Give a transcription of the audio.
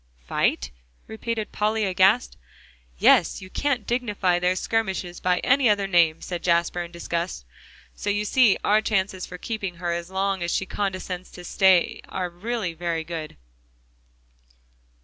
"Fight?" repeated Polly aghast. "Yes; you can't dignify their skirmishes by any other name," said Jasper, in disgust. "So you see our chances for keeping her as long as she condescends to stay are really very good."